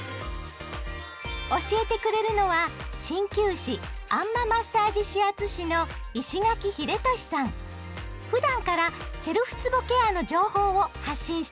教えてくれるのは鍼灸師あん摩マッサージ指圧師のふだんからセルフつぼケアの情報を発信しています。